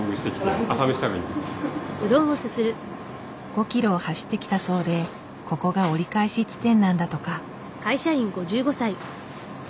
５ｋｍを走ってきたそうでここが折り返し地点なんだとか。